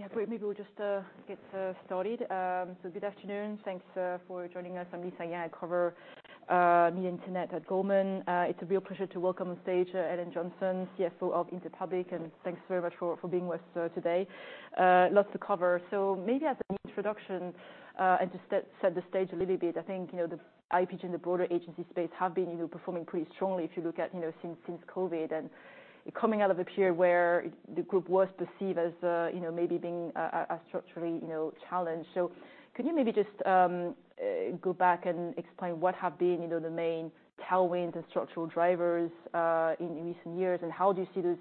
Yeah, great. Maybe we'll just get started. So good afternoon. Thanks for joining us. I'm Lisa Yang. I cover media and internet at Goldman. It's a real pleasure to welcome on stage Ellen Johnson, CFO of Interpublic, and thanks very much for being with us today. Lots to cover. So maybe as an introduction and to set the stage a little bit, I think, you know, the IPG and the broader agency space have been, you know, performing pretty strongly if you look at, you know, since COVID. And coming out of a period where the group was perceived as, you know, maybe being a structurally challenged. Could you maybe just go back and explain what have been, you know, the main tailwinds and structural drivers, in recent years, and how do you see those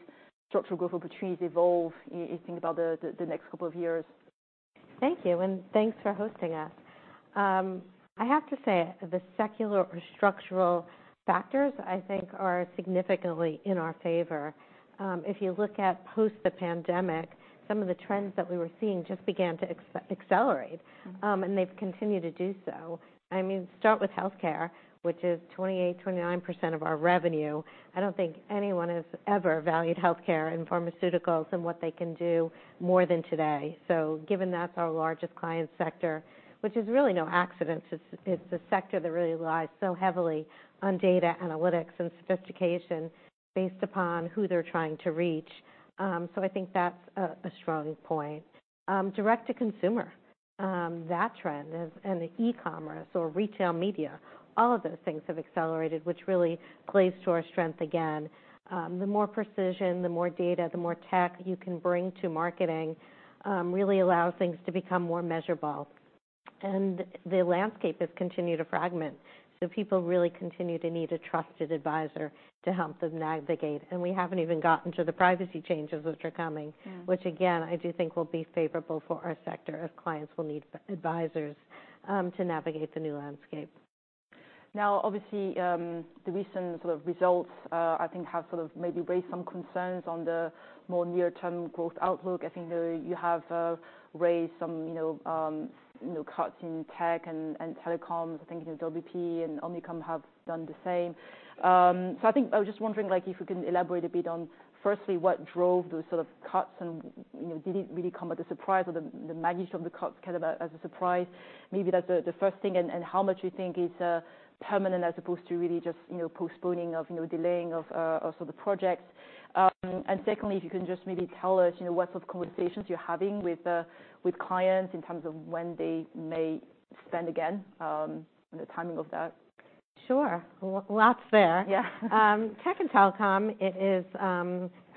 structural growth opportunities evolve, you think about the next couple of years? Thank you, and thanks for hosting us. I have to say, the secular or structural factors, I think, are significantly in our favor. If you look at post the pandemic, some of the trends that we were seeing just began to accelerate, and they've continued to do so. I mean, start with healthcare, which is 28%-29% of our revenue. I don't think anyone has ever valued healthcare and pharmaceuticals and what they can do more than today. So given that's our largest client sector, which is really no accident, it's a sector that really relies so heavily on data analytics and sophistication based upon who they're trying to reach. So I think that's a strong point. Direct-to-consumer, that trend is, and e-commerce or retail media, all of those things have accelerated, which really plays to our strength again. The more precision, the more data, the more tech you can bring to marketing, really allows things to become more measurable. And the landscape has continued to fragment, so people really continue to need a trusted advisor to help them navigate. And we haven't even gotten to the privacy changes which are coming- Mm. which again, I do think will be favorable for our sector, as clients will need advisors to navigate the new landscape. Now, obviously, the recent sort of results, I think have sort of maybe raised some concerns on the more near-term growth outlook. I think, you have raised some, you know, cuts in tech and, and telecoms. I think, you know, WPP and Omnicom have done the same. So I think I was just wondering, like, if you can elaborate a bit on, firstly, what drove those sort of cuts and, you know, did it really come as a surprise or the, the magnitude of the cuts kind of a, as a surprise? Maybe that's the, the first thing, and, and how much you think it's permanent as opposed to really just, you know, postponing of, you know, delaying of, of the projects. And secondly, if you can just maybe tell us, you know, what sort of conversations you're having with clients in terms of when they may spend again, and the timing of that? Sure. Well, lots there. Yeah. Tech and telecom is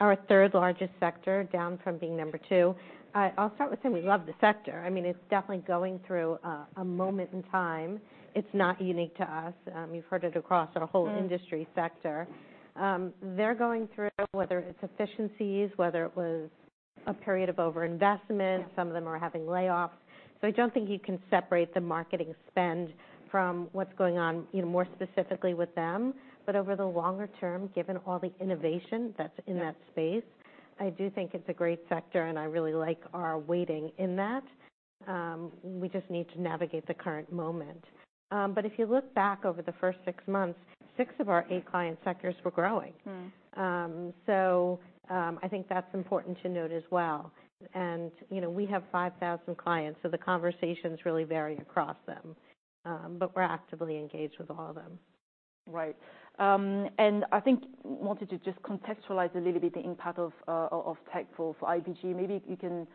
our third largest sector, down from being number two. I'll start with saying we love the sector. I mean, it's definitely going through a moment in time. It's not unique to us, you've heard it across- Mm... the whole industry sector. They're going through, whether it's efficiencies, whether it was a period of overinvestment, some of them are having layoffs. So I don't think you can separate the marketing spend from what's going on, you know, more specifically with them. But over the longer term, given all the innovation that's in that space. I do think it's a great sector, and I really like our weighting in that. We just need to navigate the current moment. But if you look back over the first six months, six of our eight client sectors were growing. Mm. I think that's important to note as well. You know, we have 5,000 clients, so the conversations really vary across them. But we're actively engaged with all of them. Right. And I think wanted to just contextualize a little bit the impact of tech for IPG. Maybe you can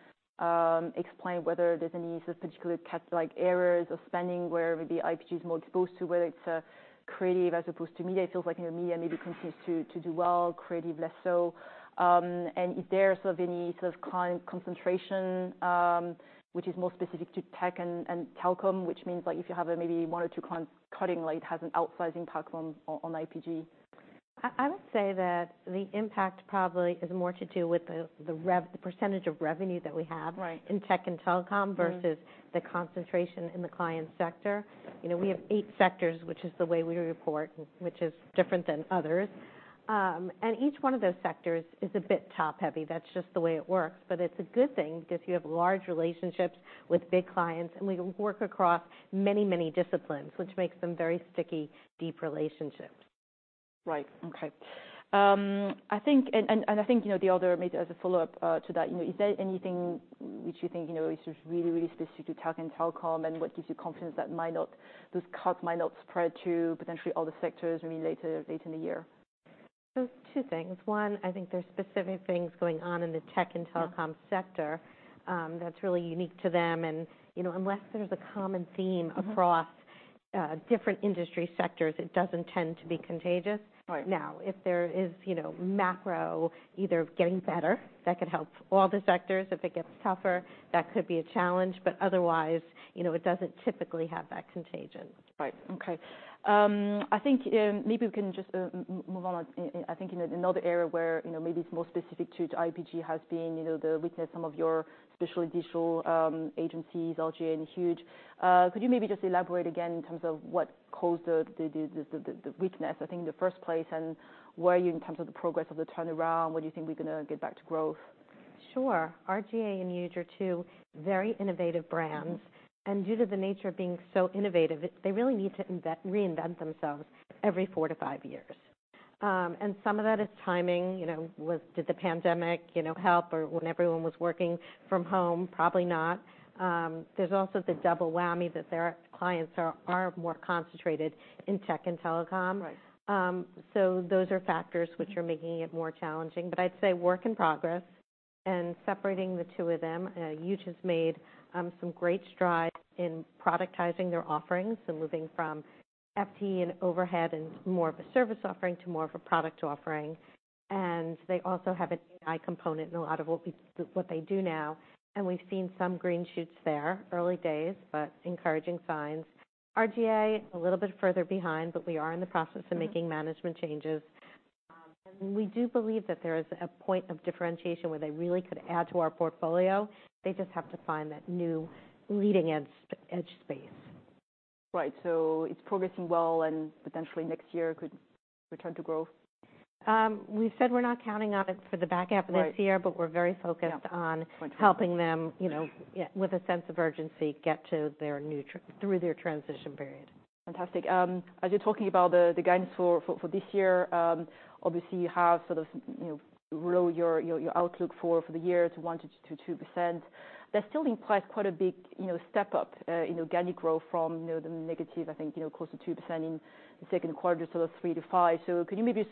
explain whether there's any sort of particular categorical areas of spending where maybe IPG is more exposed to, whether it's creative as opposed to media. It feels like, you know, media maybe continues to do well, creative, less so. And is there sort of any sort of client concentration, which is more specific to tech and telecom? Which means like if you have a maybe one or two clients cutting, like, has an outsized impact on IPG. I would say that the impact probably is more to do with the percentage of revenue that we have- Right... in tech and telecom- Mm... versus the concentration in the client sector. You know, we have eight sectors, which is the way we report, which is different than others. And each one of those sectors is a bit top-heavy. That's just the way it works. But it's a good thing because you have large relationships with big clients, and we work across many, many disciplines, which makes them very sticky, deep relationships. Right. Okay. I think... And I think, you know, the other, maybe as a follow-up, to that, you know, is there anything which you think, you know, is just really, really specific to tech and telecom, and what gives you confidence that might not, those cuts might not spread to potentially other sectors, maybe later, later in the year? So two things. One, I think there's specific things going on in the tech and telecom sector, that's really unique to them. You know, unless there's a common theme- Mm-hmm... across, different industry sectors, it doesn't tend to be contagious. Right. Now, if there is, you know, macro either getting better, that could help all the sectors. If it gets tougher, that could be a challenge, but otherwise, you know, it doesn't typically have that contagion. Right. Okay. I think maybe we can just move on. I think in another area where, you know, maybe it's more specific to IPG has been, you know, the weakness, some of your special digital agencies, R/GA and Huge. Could you maybe just elaborate again in terms of what caused the weakness, I think in the first place, and where are you in terms of the progress of the turnaround? When do you think we're gonna get back to growth? Sure. R/GA and Huge are two very innovative brands, and due to the nature of being so innovative, they really need to reinvent themselves every four to five years. And some of that is timing, you know, with, did the pandemic, you know, help, or when everyone was working from home? Probably not. There's also the double whammy that their clients are, are more concentrated in tech and telecom. Right. So those are factors which are making it more challenging, but I'd say work in progress, and separating the two of them, Huge has made some great strides in productizing their offerings. So moving from FTE and overhead and more of a service offering to more of a product offering. And they also have an AI component in a lot of what they do now, and we've seen some green shoots there. Early days, but encouraging signs. R/GA, a little bit further behind, but we are in the process of making management changes. And we do believe that there is a point of differentiation where they really could add to our portfolio. They just have to find that new leading edge space. Right. So it's progressing well, and potentially next year could return to growth? We said we're not counting on it for the back half of this year. Right. but we're very focused on helping them, you know, yeah, with a sense of urgency, get to their new through their transition period. Fantastic. As you're talking about the guidance for this year, obviously, you have sort of, you know, grown your outlook for the year to 1%-2%. That still implies quite a big, you know, step up in organic growth from, you know, the negative, I think, you know, close to 2% in the second quarter, sort of 3%-5%. So could you maybe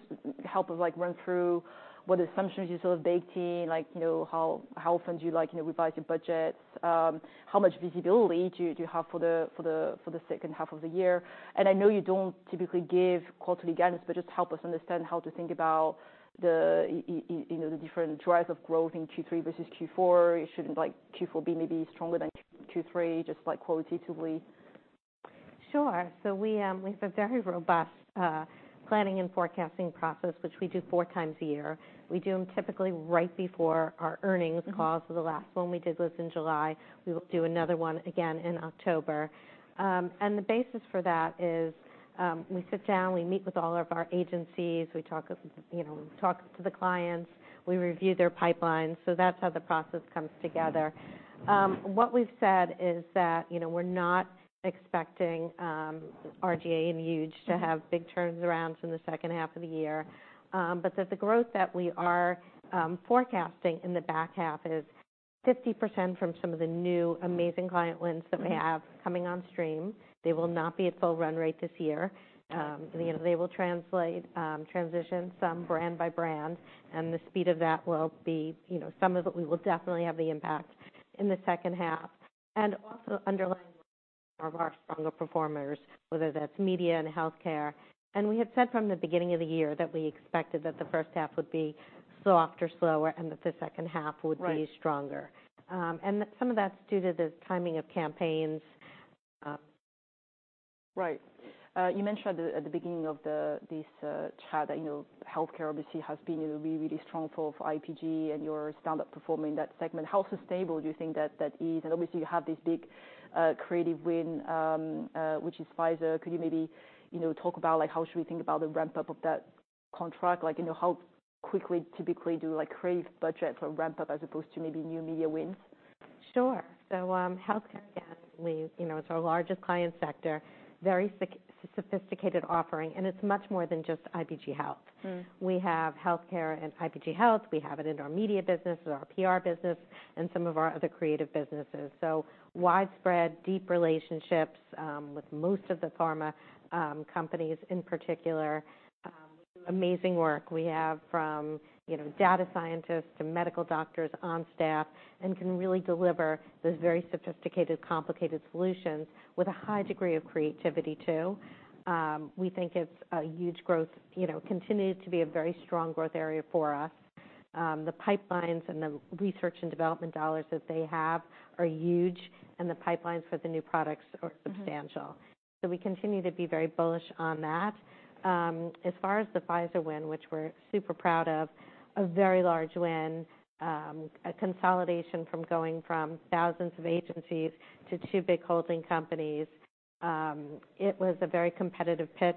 help us, like, you know, run through what assumptions you sort of baked in? Like, you know, how often do you, like, you know, revise your budgets? How much visibility do you have for the second half of the year? I know you don't typically give quarterly guidance, but just help us understand how to think about the, you know, the different drivers of growth in Q3 versus Q4. Should, like, Q4 be maybe stronger than Q3, just, like, qualitatively? Sure. So we have a very robust planning and forecasting process, which we do four times a year. We do them typically right before our earnings call. Mm-hmm. So the last one we did was in July. We will do another one again in October. And the basis for that is, we sit down, we meet with all of our agencies, we talk, you know, talk to the clients, we review their pipelines. So that's how the process comes together. What we've said is that, you know, we're not expecting, R/GA and Huge to have big turns around from the second half of the year. But that the growth that we are forecasting in the back half is 50% from some of the new amazing client wins that we have coming on stream. They will not be at full run rate this year. You know, they will translate, transition some brand by brand, and the speed of that will be, you know, some of it we will definitely have the impact in the second half. And also underlying of our stronger performers, whether that's media and healthcare. And we had said from the beginning of the year that we expected that the first half would be softer, slower, and that the second half would be- Right... stronger. Some of that's due to the timing of campaigns. Right. You mentioned at the beginning of this chat that, you know, healthcare obviously has been, you know, really strong for IPG, and you're standout performing that segment. How sustainable do you think that is? And obviously, you have this big creative win, which is Pfizer. Could you maybe, you know, talk about, like, how should we think about the ramp-up of that contract? Like, you know, how quickly, typically, do creative budgets ramp up as opposed to maybe new media wins? Sure. So, healthcare, again, we, you know, it's our largest client sector, very sophisticated offering, and it's much more than just IPG Health. Mm. We have healthcare and IPG Health. We have it in our media business, with our PR business, and some of our other creative businesses. So widespread, deep relationships with most of the pharma companies in particular. Amazing work. We have from, you know, data scientists to medical doctors on staff, and can really deliver those very sophisticated, complicated solutions with a high degree of creativity, too. We think it's a huge growth, you know, continues to be a very strong growth area for us. The pipelines and the research and development dollars that they have are huge, and the pipelines for the new products are substantial. Mm-hmm. So we continue to be very bullish on that. As far as the Pfizer win, which we're super proud of, a very large win, a consolidation from going from thousands of agencies to two big holding companies. It was a very competitive pitch.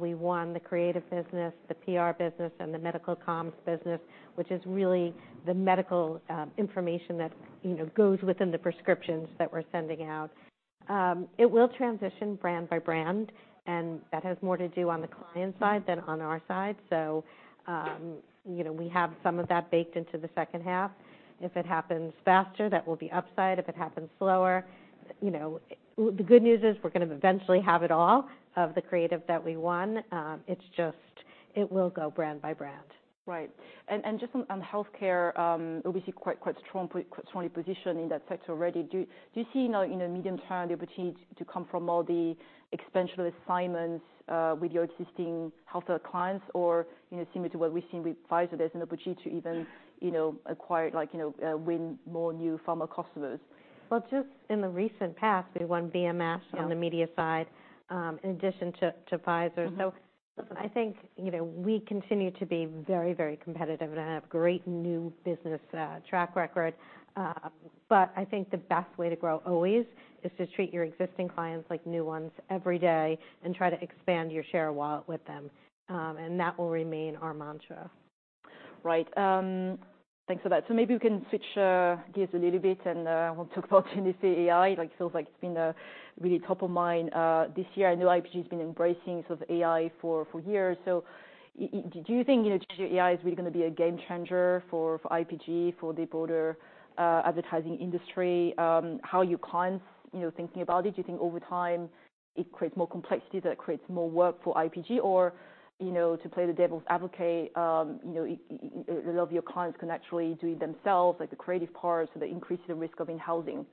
We won the creative business, the PR business, and the medical comms business, which is really the medical information that, you know, goes within the prescriptions that we're sending out. It will transition brand by brand, and that has more to do on the client side than on our side. So, you know, we have some of that baked into the second half. If it happens faster, that will be upside. If it happens slower, you know... The good news is we're gonna eventually have it all, of the creative that we won. It's just it will go brand by brand. Right. And just on the healthcare, obviously quite strong, quite strongly positioned in that sector already. Do you see now, you know, medium term, the opportunity to come from all the expansion assignments with your existing healthcare clients? Or, you know, similar to what we've seen with Pfizer, there's an opportunity to even, you know, acquire, like, win more new pharma customers. Well, just in the recent past, we won BMS on the media side, in addition to Pfizer. Mm-hmm. So I think, you know, we continue to be very, very competitive and have great new business track record. But I think the best way to grow always is to treat your existing clients like new ones every day, and try to expand your share of wallet with them. And that will remain our mantra. Right. Thanks for that. So maybe we can switch gears a little bit, and we'll talk about generative AI. Like, it feels like it's been really top of mind this year. I know IPG's been embracing sort of AI for years. So do you think, you know, generative AI is really gonna be a game changer for IPG, for the broader advertising industry? How are your clients, you know, thinking about it? Do you think over time it creates more complexity, that it creates more work for IPG? Or, you know, to play the devil's advocate, you know, a lot of your clients can actually do it themselves, like the creative part, so they increase the risk of in-housing.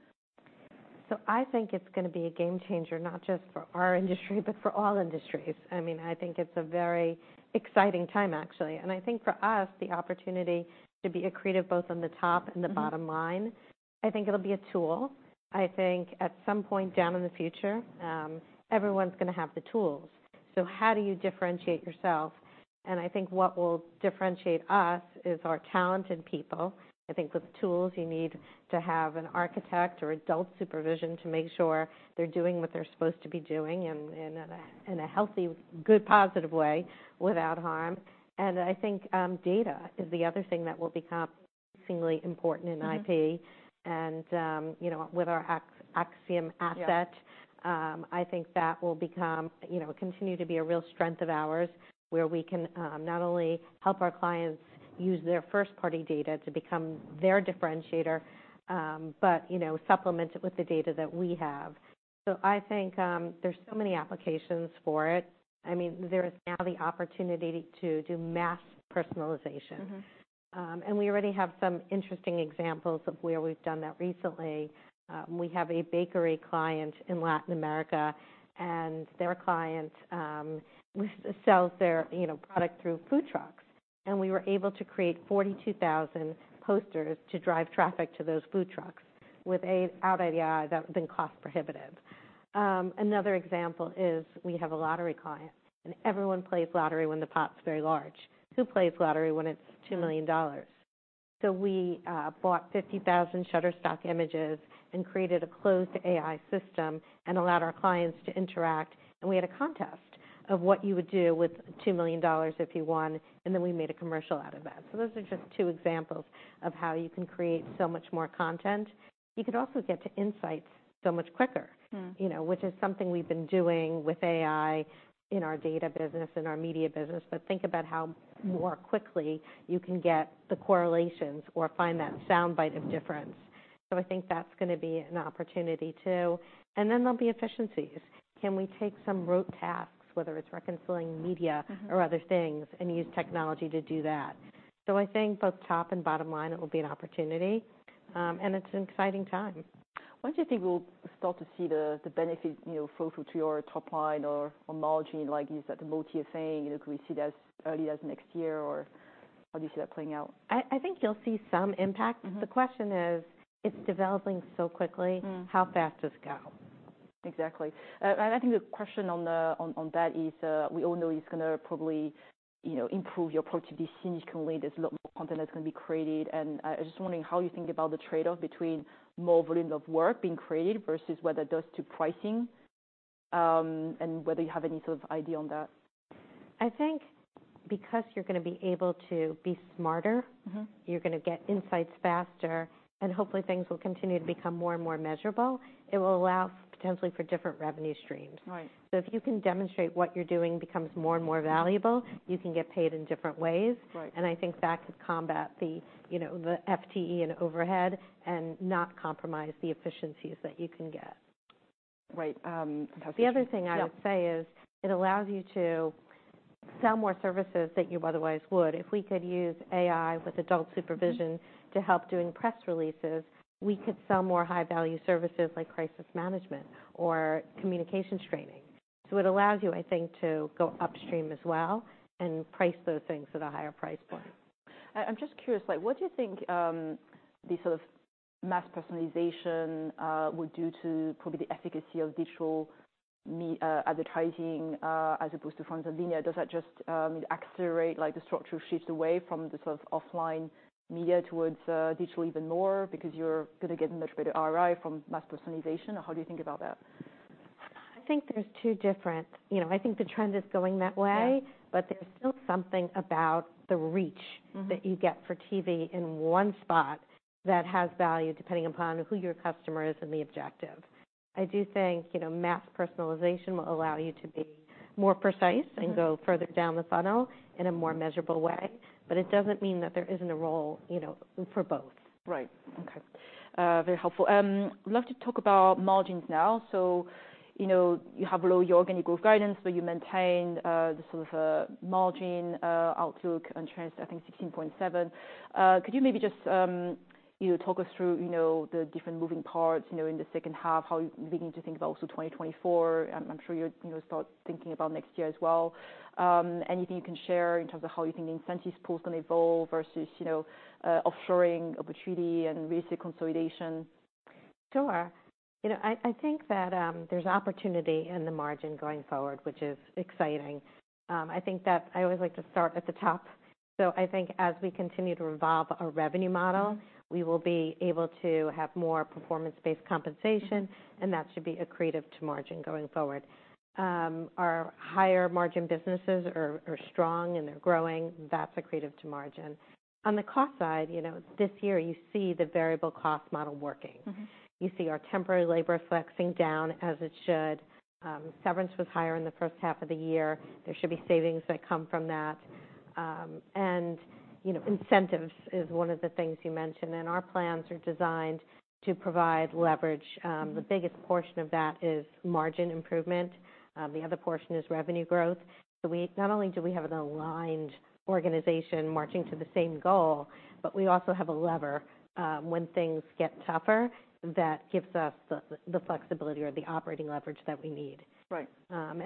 I think it's gonna be a game changer, not just for our industry, but for all industries. I mean, I think it's a very exciting time, actually. I think for us, the opportunity to be accretive both on the top and the bottom line, I think it'll be a tool. I think at some point down in the future, everyone's gonna have the tools. So how do you differentiate yourself? I think what will differentiate us is our talented people. I think with tools, you need to have an architect or adult supervision to make sure they're doing what they're supposed to be doing in a healthy, good, positive way, without harm. I think data is the other thing that will become increasingly important in IP. Mm-hmm. You know, with our Acxiom asset- Yeah I think that will become, you know, continue to be a real strength of ours, where we can not only help our clients use their first-party data to become their differentiator, but, you know, supplement it with the data that we have. So I think there's so many applications for it. I mean, there is now the opportunity to do mass personalization. Mm-hmm. We already have some interesting examples of where we've done that recently. We have a bakery client in Latin America, and their client sells their, you know, product through food trucks, and we were able to create 42,000 posters to drive traffic to those food trucks. Without AI, that would've been cost prohibitive. Another example is, we have a lottery client, and everyone plays lottery when the pot's very large. Who plays lottery when it's $2 million? So we bought 50,000 Shutterstock images and created a closed AI system and allowed our clients to interact, and we had a contest of what you would do with $2 million if you won, and then we made a commercial out of that. So those are just two examples of how you can create so much more content. You could also get to insights so much quicker- Hmm... you know, which is something we've been doing with AI in our data business and our media business. But think about how more quickly you can get the correlations or find that soundbite of difference. So I think that's gonna be an opportunity, too. And then there'll be efficiencies. Can we take some rote tasks, whether it's reconciling media- Mm-hmm... or other things, and use technology to do that? So I think both top and bottom line, it will be an opportunity, and it's an exciting time. When do you think we'll start to see the benefit, you know, flow through to your top line or margin, like you said, the multi-year savings? You know, can we see it as early as next year, or how do you see that playing out? I think you'll see some impact. Mm-hmm. The question is, it's developing so quickly- Mm... how fast does it go? Exactly. And I think the question on that is, we all know it's gonna probably, you know, improve your productivity significantly. There's a lot more content that's gonna be created, and I just wondering how you think about the trade-off between more volume of work being created versus what it does to pricing, and whether you have any sort of idea on that. I think because you're gonna be able to be smarter- Mm-hmm... you're gonna get insights faster, and hopefully, things will continue to become more and more measurable. It will allow potentially for different revenue streams. Right. So if you can demonstrate what you're doing becomes more and more valuable- Mm... you can get paid in different ways. Right. I think that could combat the, you know, the FTE and overhead, and not compromise the efficiencies that you can get. Right, that's- The other thing I would say- Yeah... is it allows you to sell more services than you otherwise would. If we could use AI with adult supervision to help doing press releases, we could sell more high-value services like crisis management or communications training. So it allows you, I think, to go upstream as well and price those things at a higher price point. I'm just curious, like, what do you think the sort of mass personalization would do to probably the efficacy of digital media advertising as opposed to print and linear? Does that just accelerate, like, the structural shift away from the sort of offline media towards digital even more because you're gonna get a much better ROI from mass personalization? How do you think about that? I think there's two different... You know, I think the trend is going that way- Yeah... but there's still something about the reach- Mm-hmm... that you get for TV in one spot that has value, depending upon who your customer is and the objective. I do think, you know, mass personalization will allow you to be more precise- Mm-hmm... and go further down the funnel in a more measurable way, but it doesn't mean that there isn't a role, you know, for both. Right. Okay. Very helpful. I'd love to talk about margins now. So you know, you have low organic growth guidance, but you maintain the sort of margin outlook and trends, I think 16.7%. Could you maybe just you know, talk us through you know, the different moving parts you know, in the second half, how you're beginning to think about also 2024? I'm sure you'll you know, start thinking about next year as well. Anything you can share in terms of how you think the incentives pool is gonna evolve versus you know, offshoring opportunity and recent consolidation? Sure. You know, I think that there's opportunity in the margin going forward, which is exciting. I think that I always like to start at the top. So I think as we continue to evolve our revenue model, we will be able to have more performance-based compensation, and that should be accretive to margin going forward. Our higher margin businesses are strong, and they're growing. That's accretive to margin. On the cost side, you know, this year you see the variable cost model working. Mm-hmm. You see our temporary labor flexing down as it should. Severance was higher in the first half of the year. There should be savings that come from that. And, you know, incentives is one of the things you mentioned, and our plans are designed to provide leverage. The biggest portion of that is margin improvement. The other portion is revenue growth. So we not only do we have an aligned organization marching to the same goal, but we also have a lever, when things get tougher, that gives us the, the flexibility or the operating leverage that we need. Right.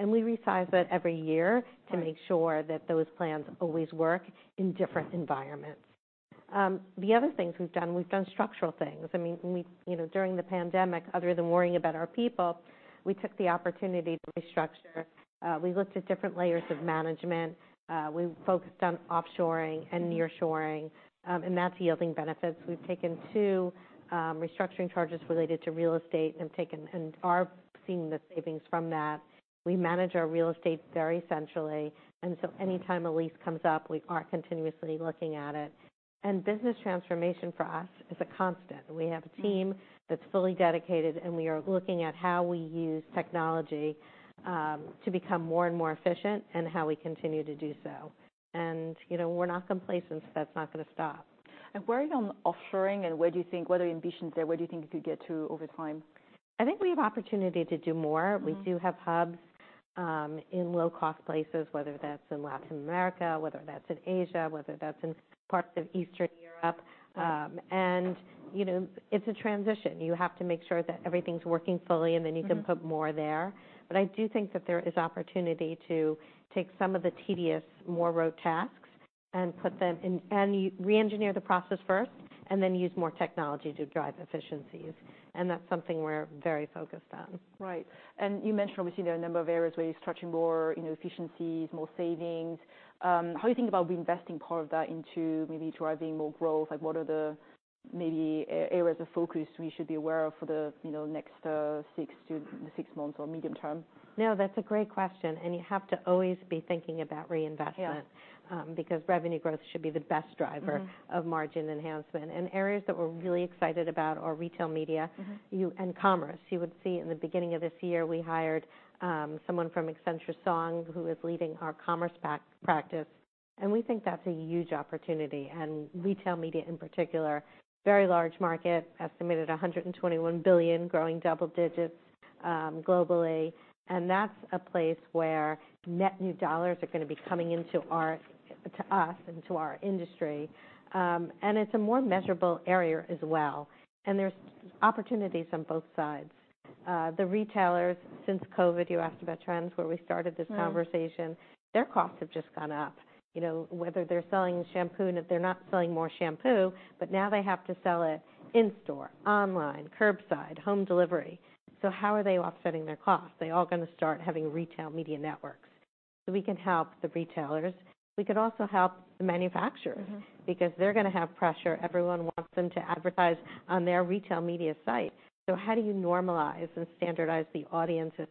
we resize that every year- Right... to make sure that those plans always work in different environments. The other things we've done, we've done structural things. I mean, we, you know, during the pandemic, other than worrying about our people, we took the opportunity to restructure. We looked at different layers of management, we focused on offshoring and nearshoring, and that's yielding benefits. We've taken two restructuring charges related to real estate and taken, and are seeing the savings from that. We manage our real estate very centrally, and so anytime a lease comes up, we are continuously looking at it. And business transformation for us is a constant. We have a team that's fully dedicated, and we are looking at how we use technology to become more and more efficient, and how we continue to do so. And, you know, we're not complacent, so that's not gonna stop. Where are you on offshoring, and where do you think, what are the ambitions there? Where do you think you could get to over time? I think we have opportunity to do more. Mm-hmm. We do have hubs in low-cost places, whether that's in Latin America, whether that's in Asia, whether that's in parts of Eastern Europe. Right. You know, it's a transition. You have to make sure that everything's working fully, and then you can put more there. But I do think that there is opportunity to take some of the tedious, more rote tasks and put them in and reengineer the process first, and then use more technology to drive efficiencies, and that's something we're very focused on. Right. And you mentioned, obviously, there are a number of areas where you're stretching more, you know, efficiencies, more savings. How do you think about reinvesting part of that into maybe driving more growth? Like, what are the maybe areas of focus we should be aware of for the, you know, next six to six months or medium term? No, that's a great question, and you have to always be thinking about reinvestment- Yeah... because revenue growth should be the best driver- Mm-hmm... of margin enhancement. Areas that we're really excited about are retail media- Mm-hmm... you- and commerce. You would see in the beginning of this year, we hired someone from Accenture Song, who is leading our commerce practice, and we think that's a huge opportunity. And retail media in particular, very large market, estimated $121 billion, growing double digits, globally. And that's a place where net new dollars are gonna be coming into our, to us, and to our industry. And it's a more measurable area as well, and there's opportunities on both sides. The retailers, since COVID, you asked about trends, where we started this conversation- Right... their costs have just gone up. You know, whether they're selling shampoo, and if they're not selling more shampoo, but now they have to sell it in store, online, curbside, home delivery. So how are they offsetting their costs? They're all gonna start having retail media networks. So we can help the retailers. We could also help the manufacturers- Mm-hmm... because they're gonna have pressure. Everyone wants them to advertise on their retail media site. So how do you normalize and standardize the audiences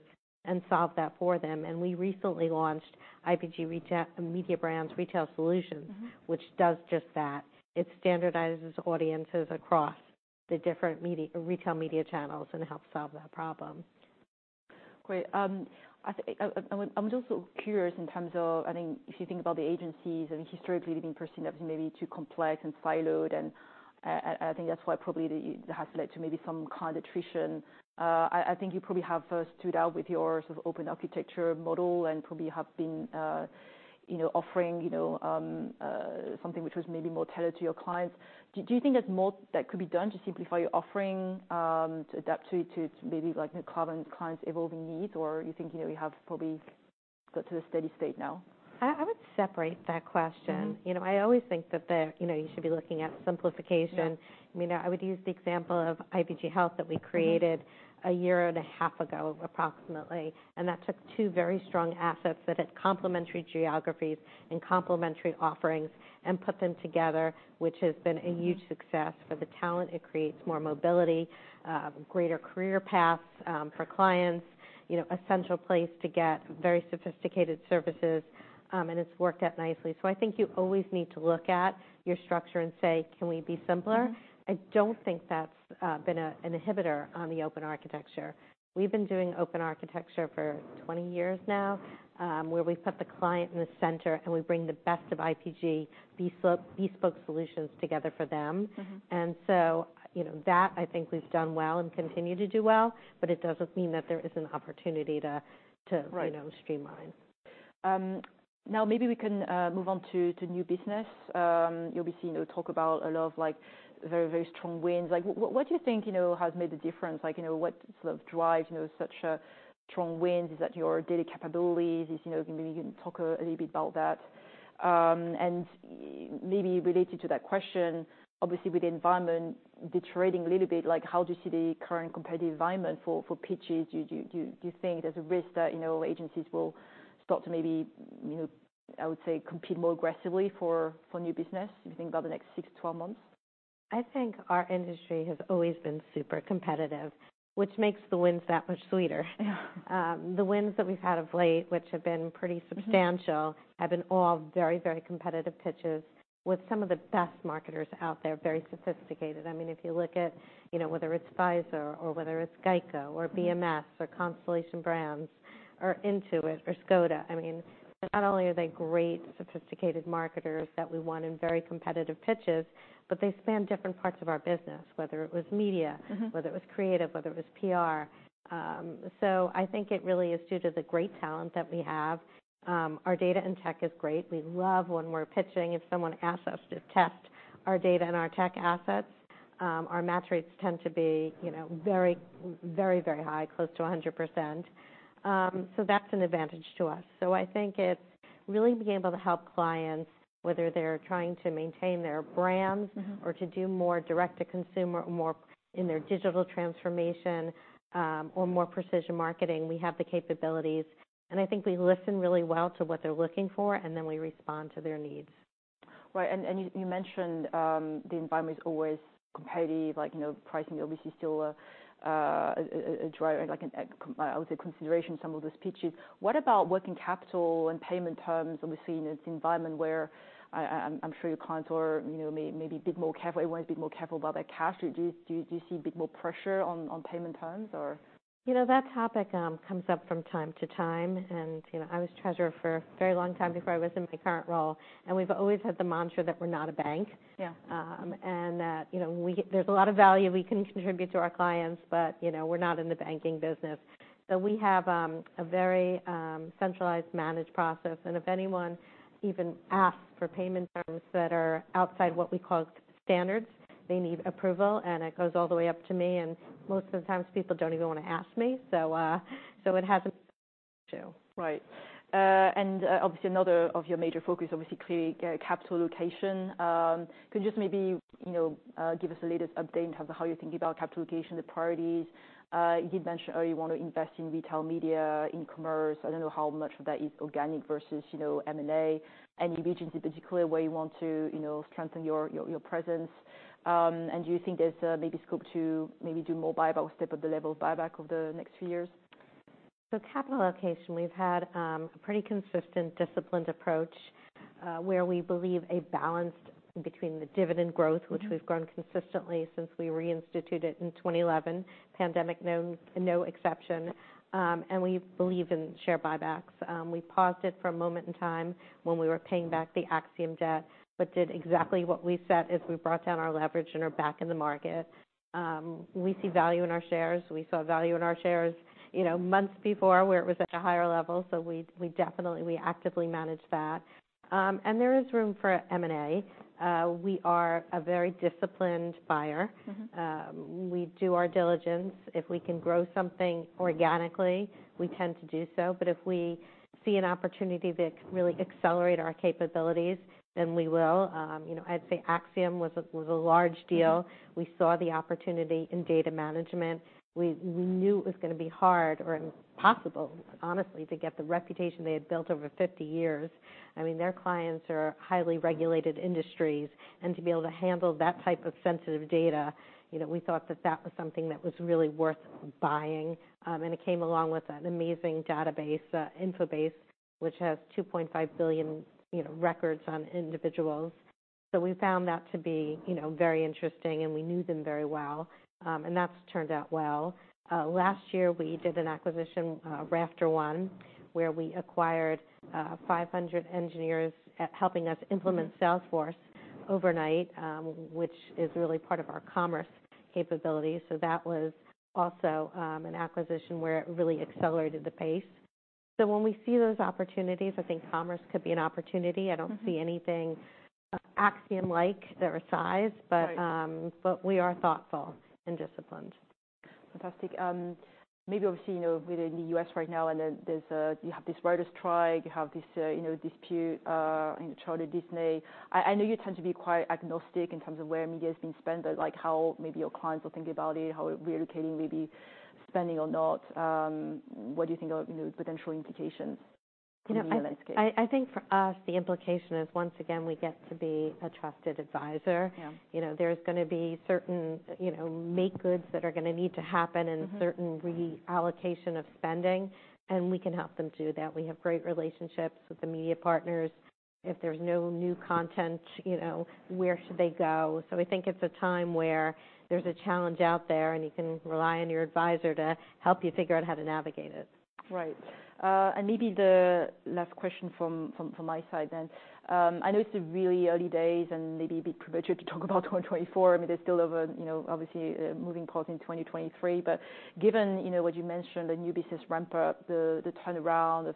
and solve that for them? And we recently launched IPG Mediabrands Retail Solutions- Mm-hmm... which does just that. It standardizes audiences across the different media, retail media channels and helps solve that problem. Great. I was also curious in terms of... I think if you think about the agencies, I mean, historically, being perceived as maybe too complex and siloed, and I think that's why probably, that has led to maybe some kind of attrition. I think you probably have stood out with your sort of open architecture model and probably have been, you know, offering, you know, something which was maybe more tailored to your clients. Do you think there's more that could be done to simplify your offering, to adapt to maybe, like, your client's evolving needs, or you think, you know, you have probably got to a steady state now? I would separate that question. You know, I always think that, you know, you should be looking at simplification. I mean, I would use the example of IPG Health, that we created a year and a half ago, approximately, and that took two very strong assets that had complementary geographies and complementary offerings and put them together, which has been a huge success. For the talent, it creates more mobility, greater career paths, for clients, you know, a central place to get very sophisticated services, and it's worked out nicely. So I think you always need to look at your structure and say: Can we be simpler. I don't think that's been an inhibitor on the open architecture. We've been doing open architecture for 20 years now, where we put the client in the center, and we bring the best of IPG bespoke, bespoke solutions together for them. Mm-hmm. So, you know, that I think we've done well and continue to do well, but it doesn't mean that there isn't an opportunity to, Right... you know, streamline. Now maybe we can move on to new business. You'll be seeing the talk about a lot of, like, very, very strong wins. Like, what do you think, you know, has made the difference? Like, you know, what sort of drives, you know, such a strong wins? Is that your data capabilities? You know, maybe you can talk a little bit about that. And maybe related to that question, obviously, with the environment deteriorating a little bit, like, how do you see the current competitive environment for pitches? Do you think there's a risk that, you know, agencies will start to maybe, you know, I would say, compete more aggressively for new business, you think, over the next six to 12 months? I think our industry has always been super competitive, which makes the wins that much sweeter. The wins that we've had of late, which have been pretty substantial, have been all very, very competitive pitches with some of the best marketers out there, very sophisticated. I mean, if you look at, you know, whether it's Pfizer or whether it's GEICO or BMS or Constellation Brands or Intuit or Škoda, I mean, not only are they great, sophisticated marketers that we want in very competitive pitches, but they span different parts of our business, whether it was media- Mm-hmm... whether it was creative, whether it was PR. So I think it really is due to the great talent that we have. Our data and tech is great. We love when we're pitching, if someone asks us to test our data and our tech assets, our match rates tend to be, you know, very, very, very high, close to 100%. So that's an advantage to us. So I think it's really being able to help clients, whether they're trying to maintain their brands- Mm-hmm... or to do more direct-to-consumer, more in their digital transformation, or more precision marketing. We have the capabilities, and I think we listen really well to what they're looking for, and then we respond to their needs. Right, and you mentioned, the environment is always competitive, like, you know, pricing obviously still a trial, like, I would say, consideration some of those pitches. What about working capital and payment terms, obviously, in this environment where I, I'm sure your clients are, you know, maybe a bit more careful, everyone's a bit more careful about their cash. Do you see a bit more pressure on payment terms, or? You know, that topic comes up from time to time, and, you know, I was treasurer for a very long time before I was in my current role, and we've always had the mantra that we're not a bank. Yeah. and that, you know, there's a lot of value we can contribute to our clients, but, you know, we're not in the banking business. So we have a very centralized managed process, and if anyone even asks for payment terms that are outside what we call standards, they need approval, and it goes all the way up to me, and most of the times, people don't even want to ask me, so, so it hasn't... Right. And obviously, another of your major focus, obviously, clearly, capital allocation. Could you just maybe, you know, give us the latest update in terms of how you're thinking about capital allocation, the priorities? You did mention, you want to invest in retail media, in commerce. I don't know how much of that is organic versus, you know, M&A, any regions in particular, where you want to, you know, strengthen your presence. And do you think there's, maybe scope to maybe do more buyback or step up the level of buyback over the next few years? So capital allocation, we've had a pretty consistent, disciplined approach, where we believe a balance between the dividend growth which we've grown consistently since we reinstituted in 2011, pandemic no, no exception. And we believe in share buybacks. We paused it for a moment in time when we were paying back the Acxiom debt, but did exactly what we set as we brought down our leverage and are back in the market. We see value in our shares. We saw value in our shares, you know, months before, where it was at a higher level, so we, we definitely, we actively manage that. And there is room for M&A. We are a very disciplined buyer. Mm-hmm. We do our diligence. If we can grow something organically, we tend to do so. But if we see an opportunity that can really accelerate our capabilities, then we will. You know, I'd say Acxiom was a large deal. We saw the opportunity in data management. We knew it was gonna be hard or impossible, honestly, to get the reputation they had built over 50 years. I mean, their clients are highly regulated industries, and to be able to handle that type of sensitive data, you know, we thought that that was something that was really worth buying. And it came along with an amazing database, InfoBase, which has 2.5 billion, you know, records on individuals. So we found that to be, you know, very interesting, and we knew them very well. And that's turned out well. Last year, we did an acquisition, RafterOne, where we acquired 500 engineers at helping us implement Salesforce overnight, which is really part of our commerce capability. So that was also an acquisition where it really accelerated the pace. So when we see those opportunities, I think commerce could be an opportunity. Mm-hmm. I don't see anything, Acxiom-like, their size- Right... but we are thoughtful and disciplined. Fantastic. Maybe obviously, you know, within the U.S. right now, and then there's a—you have this writers strike, you have this, you know, dispute, you know, Charter Disney. I know you tend to be quite agnostic in terms of where media is being spent, but, like, how maybe your clients are thinking about it, how reallocating, maybe spending or not, what do you think are, you know, potential implications in the landscape? You know, I think for us, the implication is, once again, we get to be a trusted advisor. Yeah. You know, there's gonna be certain, you know, make goods that are gonna need to happen- Mm-hmm... and certain reallocation of spending, and we can help them do that. We have great relationships with the media partners. If there's no new content, you know, where should they go? So I think it's a time where there's a challenge out there, and you can rely on your advisor to help you figure out how to navigate it. Right. And maybe the last question from my side then. I know it's really early days and maybe a bit premature to talk about 2024. I mean, there's still over, you know, obviously, moving parts in 2023, but given, you know, what you mentioned, the new business ramp up, the turnaround of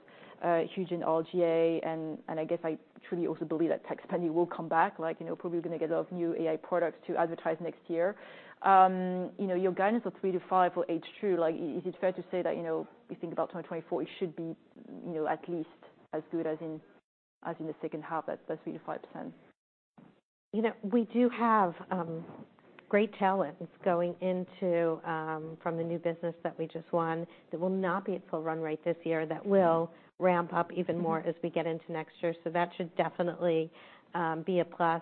Huge and R/GA, and I guess I truly also believe that tech spending will come back, like, you know, probably gonna get a lot of new AI products to advertise next year. You know, your guidance of 3%-5% will hold true. Like, is it fair to say that, you know, you think about 2024, it should be, you know, at least as good as in, as in the second half, at 3%-5%? You know, we do have great talents going into from the new business that we just won. That will not be at full run rate this year. That will ramp up even more as we get into next year, so that should definitely be a plus.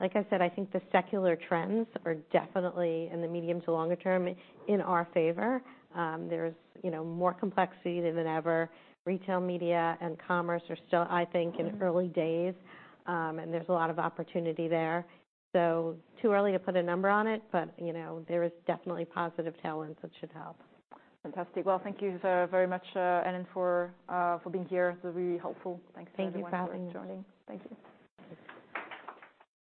Like I said, I think the secular trends are definitely in the medium to longer term in our favor. There's, you know, more complexity than ever. Retail media and commerce are still, I think in early days, and there's a lot of opportunity there. So too early to put a number on it, but, you know, there is definitely positive talents that should help. Fantastic. Well, thank you very much, Ellen, for being here. This is really helpful. Thanks again. Thank you for having me. Thank you for joining Thank you.